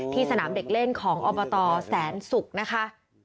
สนามเด็กเล่นของอบตแสนศุกร์นะคะ